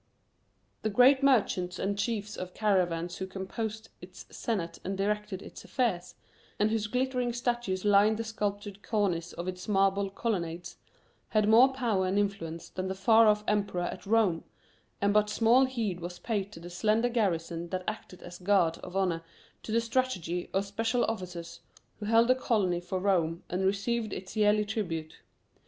The great merchants and chiefs of caravans who composed its senate and directed its affairs, and whose glittering statues lined the sculptured cornice of its marble colonnades, had more power and influence than the far off Emperor at Rome, and but small heed was paid to the slender garrison that acted as guard of honor to the strategi or special officers who held the colony for Rome and received its yearly tribute.